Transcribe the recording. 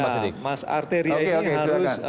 mas arteria ini harus